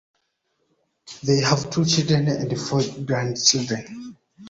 They have two children and four grandchildren.